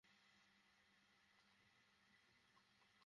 আপনি এত কিছু জানেন কেমনে?